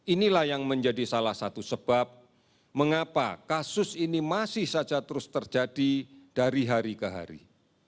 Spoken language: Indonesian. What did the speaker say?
inilah yang menjadi salah satu sebab mengapa kasus ini masih saja terus terjadi dari hari ke hari